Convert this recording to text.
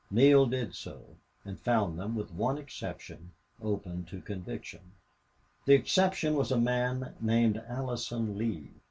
Neale did so, and found them, with one exception, open to conviction. The exception was a man named Allison Lee.